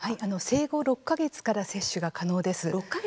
生後６か月から接種が可能です。